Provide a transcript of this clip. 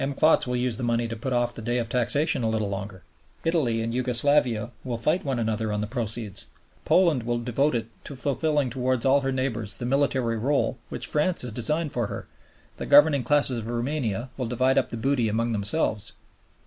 Klotz will use the money to put off the day of taxation a little longer, Italy and Jugo Slavia will fight one another on the proceeds, Poland will devote it to fulfilling towards all her neighbors the military rÙle which France has designed for her, the governing classes of Roumania will divide up the booty amongst themselves.